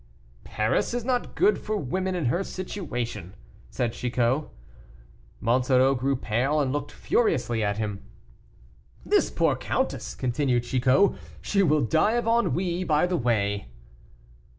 "Paris is not good for women in her situation," said Chicot. Monsoreau grew pale and looked furiously at him. "This poor countess!" continued Chicot, "she will die of ennui by the way."